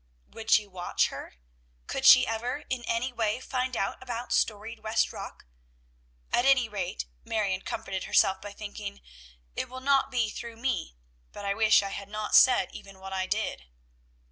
Would she watch her? Could she ever in any way find out about "Storied West Rock"? "At any rate," Marion comforted herself by thinking, "it will not be through me; but I wish I had not said even what I did."